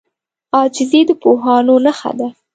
عاجزي د پوهانو نښه ده.